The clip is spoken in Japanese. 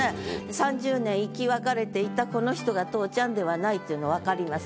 「３０年生き別れていたこの人が父ちゃん」ではないっていうのはわかります。